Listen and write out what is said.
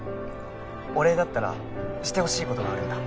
お礼だったらしてほしいことがあるんだ。